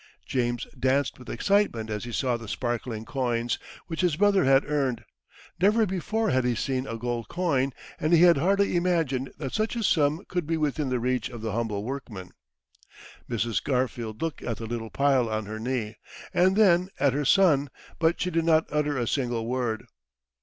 James danced with excitement as he saw the sparkling coins which his brother had earned. Never before had he seen a gold coin, and he had hardly imagined that such a sum could be within the reach of the humble workman. Mrs. Garfield looked at the little pile on her knee, and then at her son, but she did not utter a single word.